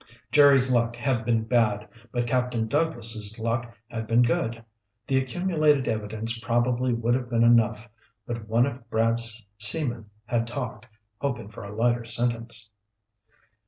Jerry's luck had been bad, but Captain Douglas' luck had been good. The accumulated evidence probably would have been enough, but one of Brad's seamen had talked, hoping for a lighter sentence.